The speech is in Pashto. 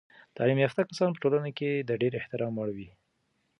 تعلیم یافته کسان په ټولنه کې د ډیر احترام وړ وي.